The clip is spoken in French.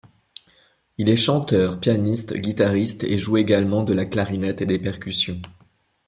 Il est chanteur, pianiste, guitariste, et joue également de la clarinette et des percussions.